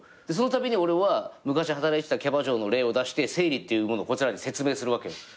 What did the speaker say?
でそのたびに俺は昔働いてたキャバ嬢の例を出して生理っていうものをこいつらに説明するわけ。